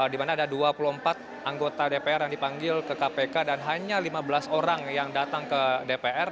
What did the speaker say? di mana ada dua puluh empat anggota dpr yang dipanggil ke kpk dan hanya lima belas orang yang datang ke dpr